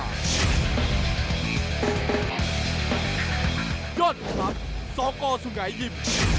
ย่อนครับซ้อกอร์สุงัยยิม